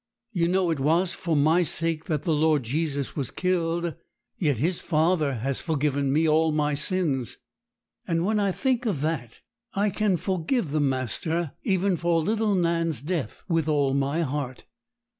You know it was for my sake that the Lord Jesus was killed, yet His Father has forgiven me all my sins; and when I think of that, I can forgive the master even for little Nan's death with all my heart.